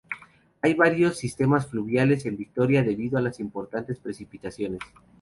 Hay varios sistemas fluviales en Victoria debido a las importantes precipitaciones.